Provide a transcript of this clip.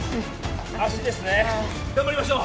足足足ですね頑張りましょう！